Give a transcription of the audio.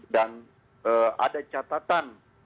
dan ada catatan